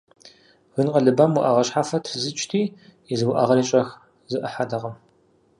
Гын къэлыбам уӏэгъэ щхьэфэр трисыкӏти, езы уӏэгъэри щӏэх зэӏыхьэтэкъым.